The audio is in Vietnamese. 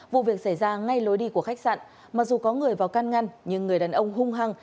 vụ việc xảy ra ngay lối đi của khách sạn mặc dù có người vào can ngăn nhưng người đàn ông hung hăng